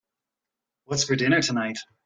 What's for dinner tonight?